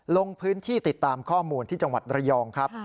ลงพื้นที่ติดตามข้อมูลที่จังหวัดระยองครับ